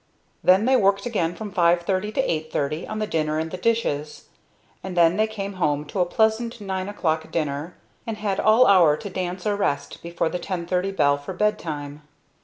Then they worked again from 5.30 to 8.30, on the dinner and the dishes, and then they came home to a pleasant nine o'clock supper, and had all hour to dance or rest before the 10.30 bell for bed time.